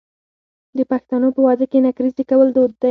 د پښتنو په واده کې نکریزې کول دود دی.